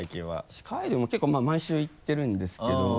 地下アイドルも結構まぁ毎週行ってるんですけど。